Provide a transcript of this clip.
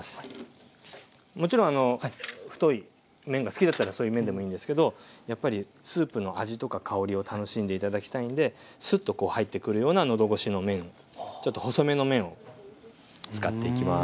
もちろん太い麺が好きだったらそういう麺でもいいんですけどやっぱりスープの味とか香りを楽しんで頂きたいんでスッとこう入ってくるような喉越しの麺ちょっと細めの麺を使っていきます。